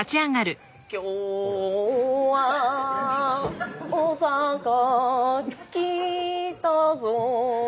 「今日は」「大阪来たぞ」